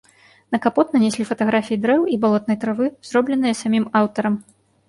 На капот нанеслі фатаграфіі дрэў і балотнай травы, зробленыя самім аўтарам.